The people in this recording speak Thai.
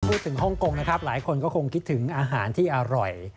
ฮ่องกงนะครับหลายคนก็คงคิดถึงอาหารที่อร่อย